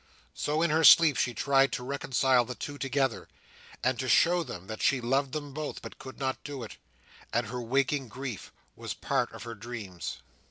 So, in her sleep, she tried to reconcile the two together, and to show them that she loved them both, but could not do it, and her waking grief was part of her dreams.